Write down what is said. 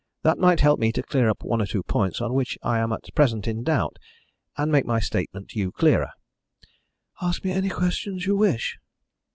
That might help me to clear up one or two points on which I am at present in doubt, and make my statement to you clearer." "Ask me any questions you wish."